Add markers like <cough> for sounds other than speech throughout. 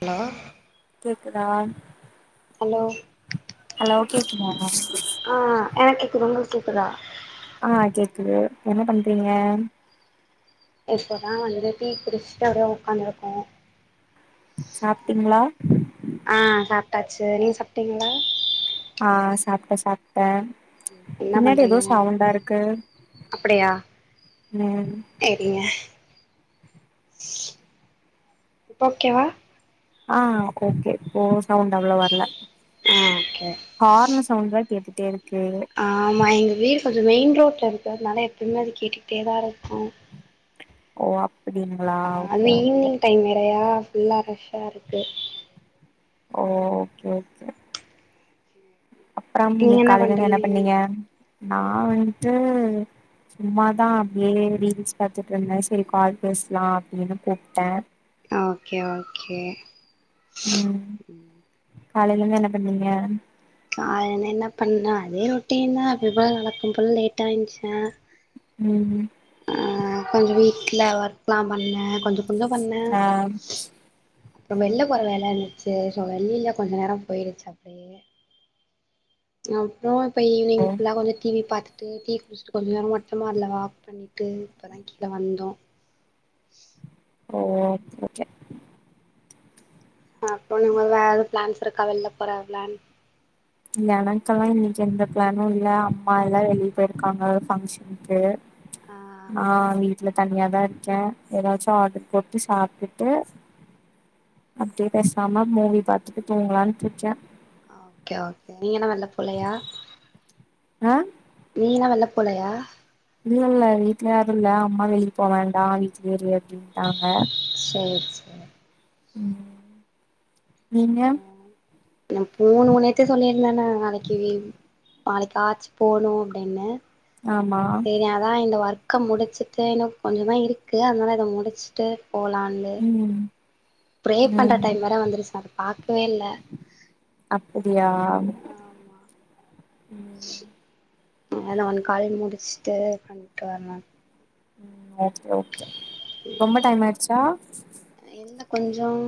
hello கேக்குதா hello hello கேக்குதா ஆ எனக்கு கேக்குது உங்களுக்கு கேக்குதா ஆ கேக்குது என்ன பண்றீங்க இப்பதா வந்துடு டீ குடிச்சிட்டு அப்டியே உக்காந்துருக்கே சாப்டீங்ளா ஆ சாப்டாச்சு நீங்க சாப்டீங்ளா ஆ சாப்ட சாப்ட என்ன பின்னாடி எதோ பண்றீங்க சவுண்டா இருக்கு ம் செரிங்க இப்ப ஓகேவா ஆ ஓகே ஓ சவுண்ட் அவ்ளோ வர்ல ஆ ஓகே ஹார்ன் சவுண்ட் தா கேட்டுட்டே இருக்கு ஆமா எங்க வீடு கொஞ்சோ மெயின் ரோட்ல இருக்கிறதுனால எப்பயுமே அது கேட்டுக்கிட்டே தா இருக்கு ஓ அப்டிங்ளா ஓகே அதுவு ஓகே ஈவினிங் டைம் நெறையா ஃபுல்லா ரஷ்ஷா இருக்கு ஓ ஓகே ஓகே <inaudible> அப்பறம் இன்னிக் காலையிலிருந்து என்ன பண்ணீங்க சும்மாதா அப்டியே ரீல்ஸ் பாத்துட்டு இருந்தே செரி கால் பேசலா அப்டின் கூப்டே ஆ ஓகே ஓகே காலையிலருந்து என்ன பண்ணீங்க காலைலிந்து என்ன பண்ணே அதே ரொட்டின்னா அப்டி போல நடக்கு போல லேட்டா எந்துச்சே ம் ம் ஆ வீட்ல ஒர்க்லா பண்ணே கொஞ்சோ கொஞ்சோ பண்ணே ஆ அப்பறோ வெளில போற வேல இருந்துச்சு சோ வெளில கொஞ்சோ நேரோ போயிடுச்சு அப்டியே அப்பறோ இப்ப ஓ ஈவினிங் ஃபுல்லா கொஞ்சோ டி வி பாத்து விட்டு டீ குடிச்சுட்டு கொஞ்சோ நேரமா மொட்டமாடில வாக் பண்ணிட்டு இப்ப தா கீழ வந்தோ ஓ ஓகே <unintelligible> அ அப்புறோ நீங்க வேவது பிளான்ஸ் இருக்கா வெளில போற பிளான் எனக்கெல்லா இன்னைக்கு எந்த பிளானு இல்ல அம்மா எல்லா வெளியே போயிருக்காங்க ஃபங்க்ஷனுக்கு ஆ ஆ வீட்ல தனியாதா இருக்கே எதாச்சோ ஆட்ரு போட்டு சாப்ட்டுட்டு அப்டியே பேசாம மூவி பாத்துட்டு தூங்களா படிச்சே ஓகே ஓகே நீங்க என்ன வெள்ல போலையா ஆ நீளா வெள்ளப் போலயா இல்ல இல்ல வீட்ல யாரு இல்ல அம்மா வெளியிப் போவேண்டா வீட்லியே இரு அப்டின்ட்டாங்க சேர் சே ம் நீங்க நம் போணு நேத்த சொல்லிருந்தேன நாளைக்கி லீவு பாளைக்காச்சு போணு அப்டின்னு ஆமா சேரி அதா இந்த ஒர்க்க முடிச்சிட்டு இன்னு கொஞ்சதா இருக்கு அதனால இத முடிச்சிட்டு போலான்னு ம் ப்ரே பண்ற ம் டைம் வேற வந்துருசு அதப் பாக்கவே இல்ல அப்புடியாம் வேத ஒன் கால் முடிச்ட்டு பண்ட்டு வர்லான் ம் ஓகே ஓகே ரொம்ப டைம் ஆயிடுச்சா இல்ல கொஞ்சம்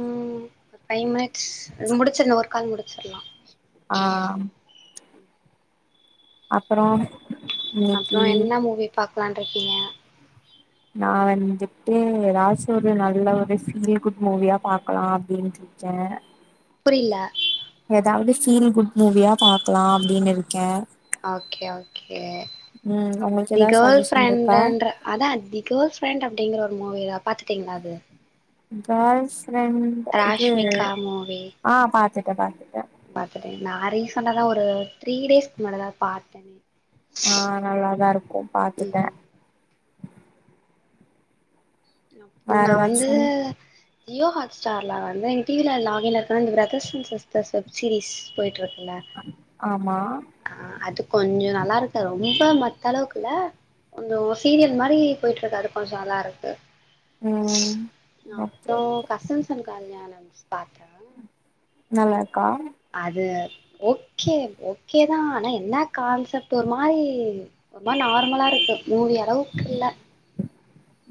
டைம் ஆயிர்ச்சு முடிச்சிர்னு ஒருக் கால் முடிச்சிர்லா ஆம் அப்பறோ அப்றோ என்ன மூவி பாக்லான்ருக்கீங்க நா வந்துட்டு ராஜுர்ல நல்ல ஒரு ஃபீல் குட் மூவியாப் பாக்கலா அப்டின்ட்டு ச்ச புரில எதாவது ஃபீல் குட் மூவியா பாக்லா அப்டினுருக்கே ஓகே ஓகே ம் உங்களுக்கு தி ஏதாவது கேர்ள் சஜஷன் இருக்கா ஃபிரெண்டுன்ற அதா தி கேர்ள் ஃபிரெண்ட் அப்டிங்கிற ஒரு மூவிதாப் பாத்துட்டீங்ளா அது பாய் ஃபிரெண்ட் ராஷ்மிக்கா மூவி ஆ பாத்துட்டே பாத்துட்டே பாத்துட்டே நா ரீசெண்டாதா ஒரு த்ரீ டேஸ்க் முன்னாடுதா அதுப் பாத்தனே ஆ நல்லாதா இருக்கும் பாத்துட்டே ம் அப்பும் வேற நா வந்து ஏதாச்சு ஜியோ ஹாட்ஸ்டார்ல வந்து எங் டி வில லாக் இன்ல இருக்குனா இந்த brothers and sisters web series போயிட்ருக்குல்ல ஆமா ஆ அது கொஞ்சோ நல்லாருக்கு ரொம்ப மத்தளவுக்குல கொஞ்சோ சீரியல் மாரி போயிட்ருக்கு அது கொஞ்சோ நல்லாருக்கு ம் ஓகே அப்றோ ஓகே கசின்ஸ் அன் கல்யாணம்சு பாத்தே நல்லார்க்கா அது ஓக்கே ஓக்கேதா ஆனா என்னா கான்செப்ட்டு ஒரு மாரி ஒரு மாரி நார்மலா இருக்கு மூவி அளவுக்கு இல்ல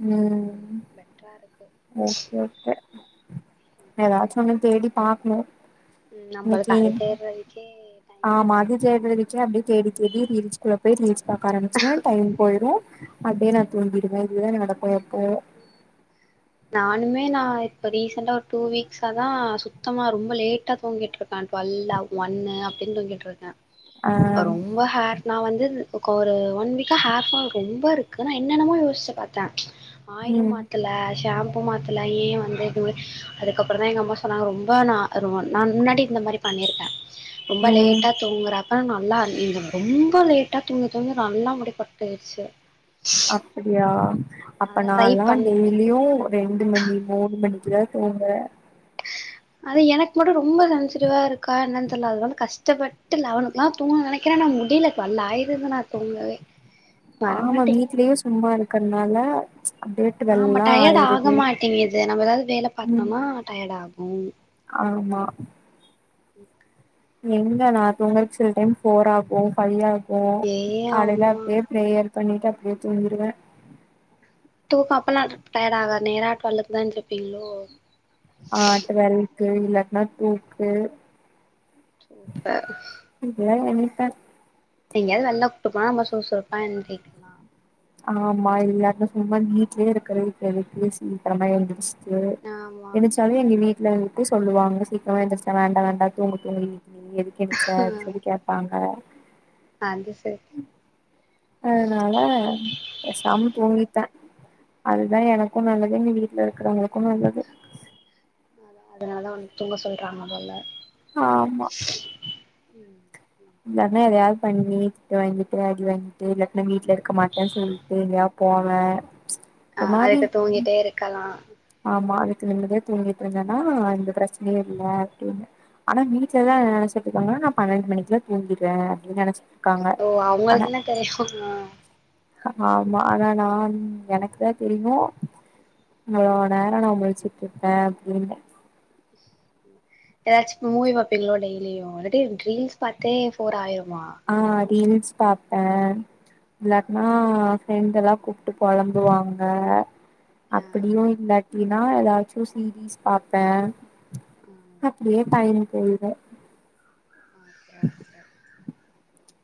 ம் மெட்ரா இருக்கு ஓகே ஓகே எதாச்சு ஒன்னு தேடிப் பாக்ணு ம் நம்பளுக்கு அது தேட்றதுக்கே ஆமா அது தேட்றதுக்கே அப்டியே தேடித் தேடி ரீல்ஸ்குள்ள போயி ரீல்ஸ் பாக்க ஆரம்பிச்வே டைம் போயிரு அப்டியே நா தூங்கிருவே இதுதா நடக்கு எப்பவு நானுமே நா இப்போ ரீசெண்ட்டா ஒரு டூ வீக்ஸாகதா சுத்தமா ரொம்ப லேட்டா தூங்கிட்ருக் கான் டுவெல்லா ஒன்னு அப்டின் தூங்கிட்ருக்கே ஆ ரொம்ப ஹேர் நான் வந்து ஒரு ஒன் வீக்காக ஹேர் ஃபால் ரொம்ப இருக்குது நான் என்னென்னமோ யோசிச்சி பாத்தேன் ஆயிலும் ம் மாத்தல ஷாம்பூ மாத்தல ஏன் வந்துது அதுக்கப்பறம் தான் எங்க அம்மா சொன்னாங்க ரொம்ப ந நான் முன்னாடி இந்த மாரி பண்ணிருக்கேன் ரொம்ப ம் லேட்டா தூங்குறாப்ப நல்லா நீங்க ரொம்ப லேட்ட தூங்க தூங்கி நல்லா முடி கொட்டியிடுச்சு அப்படியா அப்ப அதா ட்ரை நாலா பண்றே டெய்லியும் ரெண்டு மணி மூணு மணிக்குத தூங்குறே ஆனா எனக்கு மட்டும் ரொம்ப சென்சிட்டிவா இருக்கா என்னன்னு தெரில அதுன கஷ் கஷ்டப்பட்டு லெவன்க்குலா தூங்கண நெனைக்கிறோ நான் முடியலைக்கு லைவ் ஆயிதுா நான் தூங்கவே ஆமா வரமாட்டேங்குது வீட்லேயே சும்மா இருக்கனால ஆமா டயர்ட் ஆக மாட்டேங்குது நம்ம ஏதாவது வேல ம் பாத்தோம்னா டயர்ட் ஆகும் ஆமா எங்க நா தூங்கவே சில டைம் போர் ஆகும் ஃபைவ் ஆகும் ஏ காலையில ஆமா அப்டியே பிரயர் பண்ணிட்டு அப்டியே தூங்கிருவேன் தூக்கம் அப்ல்லாம் டயர்ட் ஆக நேரா டொல்லுக்குதா எந்திரிப்பீங்களோ ஆ டுவ்லுக்கு இல்லட்னா டூவுக்கு சுப்பர் இல்ல எனி டைம் எங்கயாவது வெளில்ல கூட்டிட்டு போனா சுறுசுறுப்பா எந்தி ஆமா எல்லாருக்கும் சும்மா வீட்லயே இருக்கிற எதுக்கு சிக்கிறம எந்திச்சி ஆமா எந்திரிச்சாலும் எங்க வீட்ல சொல்லுவாங்க சீக்கிரமா எந்திரிச்ச வேண்டா வேண்டா தூங்கு தூங்கு நீ எதுக்கு எந்திரிச்சே அப்டி சொல்லி கேட்பாங்க அது செரி அதனால பேசாம தூங்கிட்டேன் அதுதான் எனக்கும் நல்லது எங்க வீட்ல இருக்கிறவங்களுக்கும் நல்லது அதனால தான் உன் தூங்க சொல்றாங்க போல ஆமா இல்லட்ன்னா எதாவது பண்ணி திட்டு வாங்கிட்டு அடி வாங்கிட்டு இல்லாட்ன்னா வீட்ல இருக்க மாட்டே சொல்லி எங்கயா போவே ஆ ஒரு மாரி அதுக்கு தூங்கிட்டே இருக்கலா ஆமா அதுக்கு நிம்மதியா தூங்கிட்டு இருந்தேன்னா எந்த பிரச்சனயு இல்ல அப்டின்னு ஆனா வீட்லதா என்ன நெனச்சிட்டு இருக்காங்கன நான் பன்னெண்டு மணிக்குல தூங்கிறே நெனச் ஓ அவங்களுக்குன தெரிய ஆமா ஆனா நா எனக்குதா தெரியு <unintelligible> நேர நா முழிச்சுட்டு இருப்பே அப்டின்னு ஏதாச்சு மூவி பாப்பீங்களே டெய்லியு இல்லடி டீரில்ஸ் பாத்தே ஃபோர் ஆயிருமா ஆ ரீல்ஸ் பாப்பே இல்லாட்டனா ஃப்ரெண்ட எல்லா கூப்ட்டு பொழம்புவாங்க ஆ அப்டியு இல்லாடினா ஏதாச்சு சீரீஸ் பாப்பே ஆ அப்டியே டைம் பொய்ரு ஆ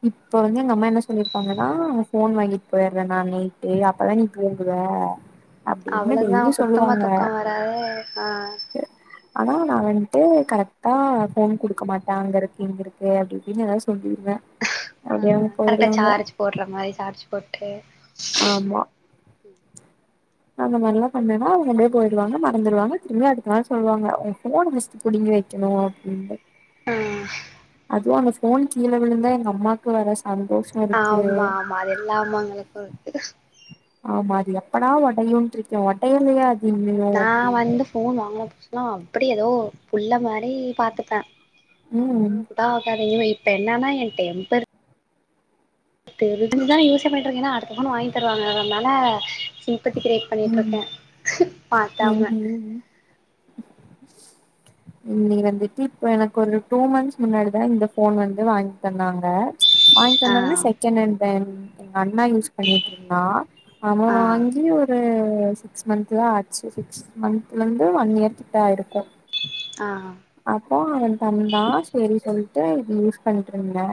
இப்ப வந்து எங்க அம்மா என்ன சொல்லிருக்காங்கன்னா ஃபோன் வாங்கிட்டு போயிறே நா நைட்டு அப்பதா நீ தூங்குவே அவ்ளதா சுத்தமாக துக்கம் வராது ஆ <unintelligible> ஆனா நா வந்துட்டு கரெக்ட்டா ஃபோன் கொடுக்க மாட்டே அங்க இருக்கு இங்க இருக்கு அப்டி இப்டின்னு எதாவது சொல்லிருவே ஆ அப்டியே அவங்க கரெக்டா போயிடுவாங்க சார்ஜ் போடுற மாரி சார்ஜ் போட்டு ஆமா அந்த மாதிரிலா பண்ணேன்னா அவுங்க அப்டியே போயிடுவாங்க மறந்துடுவாங்க திரும்பி அதுக்குனால சொல்லுவாங்க ஃபோன பஸ்ட்டு புடுங்கி வக்கனு அப்டின்ட்டு ஆ அதுவு அந்த ஃபோன் கீழ விழுந்தா எங்க அம்மாக்கு வர சந்தோஷ ஆமா ஆமா அது எல்லா அம்மாங்களுக்கு இருக்கு ஆமா அது எப்படா ஒடயுன்ருக்கே ஒடயலயா அது இன்னு நா அப்டின்னு வந்து ஃபோன் வாங்குன புதுசெல்லா அப்டி ஏதோ புள்ள மாரி பாத்துப்பே ஆ ம் பாத்தீங்னா இப்ப என்னான்னா எ டெம்பர் தானே யூசே பண்ணிட்டு இருக்கங்க ஏன்னா அடுத்த வாங்கி தருவாங்க அதனால பற்றி கிரயேட் பண்ணிட்டு ம் இருக்கே மாத்தாம ம் ம் <inaudible> நீ வந்துட்டு இப்போ எனக்கு ஒரு டூ மந்த்ஸ் முன்னாடிதா இந்த ஃபோன் வந்து வாங்கி தந்தாங்க வாங்கிட்டு ஆ வந்தாங்கன்னா செகண்ட் ஹண்ட் தெ எங்க அண்ணா யூஸ் பண்ணிட்டு இருந்தா அவ ஆ வாங்கி ஒரு ஆ சிக்ஸ் மந்த்துதா ஆச்சு சிக்ஸ் மந்த்ல இருந்து ஒன் இயர் கிட்ட ஆயிருக்கு ஆ அப்போ அவ தந்தா செரி சொல்லிட்டு இது யூஸ் பண்ணிட்ருந்தே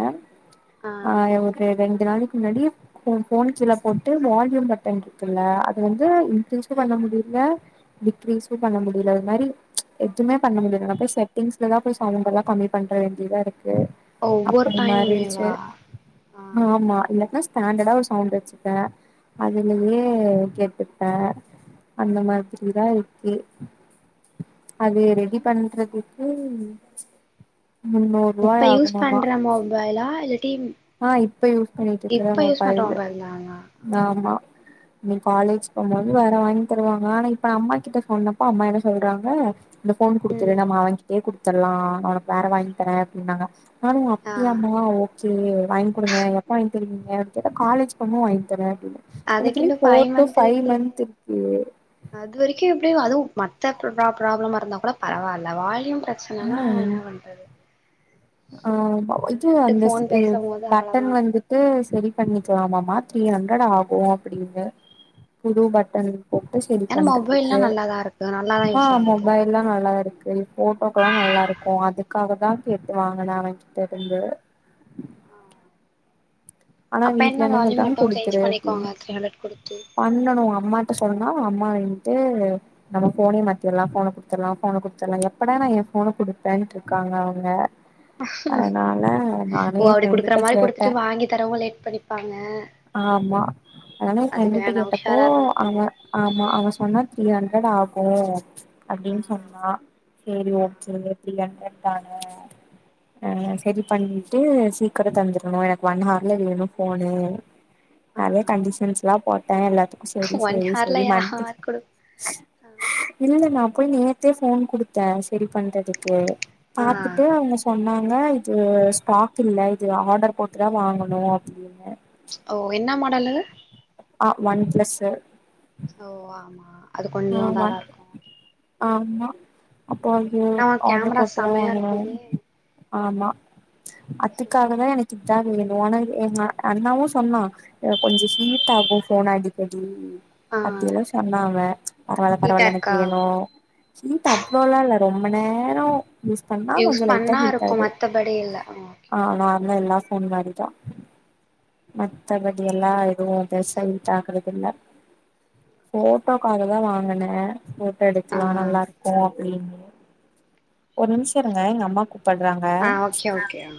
ஆ ஒரு ரெண்டு நாளைக்கு முன்னாடி ஓ ஃபோன் கீழ போட்டு வால்யூ பட்டன் இருக்குல்ல அது வந்து இன்கிரூசு பண்ண முடியல டிக்ரீசு பண்ண முடியல அது மாரி எதுவுமே பண்ண முடியல செட்டிங்ஸ்ல தா போய் சவுண்டெல்லா கம்மி பண்ற வேண்டியதா இருக்கு ஒவ்வொரு அப்டி மாறிடுச்சு டைமுமேவா ஆ ஆமா இல்லனா ஸ்டாண்டடா ஒரு சவுண்டு வச்சுப்பே ஆ அதுலயே கேட்டு பே அந்த மாரிதா இருக்கு அது ரெடி பண்றதுக்கு முன்னூ இப்ப யூஸ் பண்ற மொபைலா இல்லாட்டி ஆ இப்ப யூஸ் பண்ணிட்டு இருக்குற இப்ப யூஸ் பண்ற மொபைலு மொபைல் தானா ஆமா நீ காலேஜ் போகும்போது வேற வாங்கி தருவாங்க ஆனா இப்ப நா அம்மா கிட்ட சொன்னப்போ அம்மா என்ன சொல்றாங்க இந்த ஃபோன் குடுத்துரு ம் நம்ம அவங்கிட்டே குடுத்துட்லா நா ஒனக்கு வேற வாங்கி தாரே அப்டின்னாங்க நானு ஆ அப்டியாமா ஓகே வாங்கி குடுங்க எப்ப வாங்கி தருவீங்க கேட்டா காலேஜ் போ போது வாங்கி தரே அப்டின் எனக்கு இன்னு அதுக்கின்னு five four to month five இருக்கே மந்த்து இருக்கு அது வரைக்கு எப்டி அதுவு மத்த ப்ராப்ளமா இருந்தா கூட பரவால்ல வால்யூம் பிர ச்சனனா ம் என்னா பண்றது ஆ நீங்க இது பாட்டுக்கு அந்த ஃபோன் பேசும்போது பட்டன் அவ்ளதா வந்து து சரி பண்ணிக்லாமாமா த்ரீ ஹண்ட்ரட் ஆகு அப்டின்னு புது ஆ பட்டன் போட்டு செரி ஏன்னா மொபைல்லா பண்றதுக்கு நல்லாதா இருக்கு நல்லாதா ஆ யூஸ் ஆகுது மொபைல் எல்லா நல்லா இருக்கு போட்டோக்கெல்லா நல்லா இருக்கு அதுக்காக தா கேக் ட்டு வாங்குனே அவங்கிட்ட இருந்து ஆனா அப்ப வீட்ல என்ன வால்யூம் சொல்றாங்க மட்டு சேஞ்ச் குடுத்துரு அப்டின்னு பண்ணிக்கோங்க த்ரீ ஹண்ட்ரட் குடுத்து பண்ணனு அம்மாட்ட சொன்னா அம்மா வந்துட்டு நம்ம ஃபோனே மாத்தில்லா ஃபோன குடுத்துலா ஃபோன குடுத்துலா எப்படா நா எ ஃபோன குடுப்பேன்ட்டு இருக்காங்க அவுங்க அதனால நானே எ ஃப்ரெண்டுட்ட கேட்டே தரவ லேட் பண்ணிப்பாங்க ஆமா அவனே அதுக்கு ஃப்ரெண்டுட்ட வேணா கேட்டப்போ உஷாரா இருந்துக்கணு அவ ஆமா அவ சொன்ன த்ரீ ஹண்ட்ரட் ஆகு ஆ அப்டின் சொன்னா சேரி ஆ ஓகோ த்ரீ ஹண்ட்ரட் தானே அ செரி பண்ணிட்டு சீக்கிர‌ தந்திர்ணு எனக்கு ஒன் ஹா ர்ல வேணு ஃபோனே ஆ நெறைய கண்டிஷன்ஸ்லா போட்டே எல்லாத்துக் கு செரி ஒன் செரி ஹார்ல சரி மண்டிக் யார் குடு இல்ல நா போய் நேத்தே ஃபோன் குடுத்தே செரி பண்றதுக்கு ஆ பாத்துட்டு அவங்க சொன்னாங்க இது ஸ்டாக் இல்ல இது ஆர்டர் போட்டுதா வாங்குணு அப்டின் இல்ல ஓ என்னா மாடலு அ ஒன் பிளஸு ஓ ஆமா அது கொஞ்சோ ஆமா இதாதா இருக்கு ஆமா அப்போ ஓ ஆனா ஆட்ரு கேமரா போட்டுதா செமையா வாங்குனு இருக்குமே ஆமா அத்தைக்காக தா இதா வேணு ஆனா எங்க அண்ணாவு சொன்னா அ கொஞ்ச ஹீட் ஆகு ஃபோன் அடிக்கடி ஆ அப்டியெல்லா சொன்னாங்க பரவால ஹீட்டா பரவால எனக்கு இருக்கா வேணு ஹீட் அவ்ளோலா இல்ல ரொம்ப நேரோ யூஸ் பண்ணா யூஸ் கொஞ்ச லைட்டா பண்ணா ஹீட் இருக்கு ஆகுது மத்தபடி இல்ல ஓகே ஆ ஓகே நார்ம்லா எல்லா ஃபோன் மாரிதா மத்தபடி எல்லா இதுவு பெருசா ஹீட்டு ஆகறதில்ல போட்டோக்காக தா வாங்குனே போட்டோ ஆ எடுக்லா நல்லா இருக்கு அப்டினு ஒரு நிமிஷோ இருங்க எங்க அம்மா கூப்பட்றாங்க ஆ ஓகே ஓகே ஆ